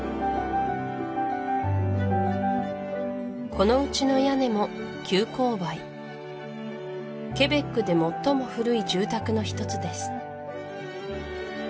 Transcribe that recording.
このうちの屋根も急勾配ケベックで最も古い住宅の一つです